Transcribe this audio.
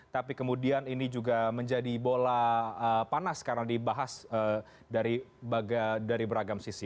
tapi kemudian ini juga menjadi bola panas karena dibahas dari beragam sisi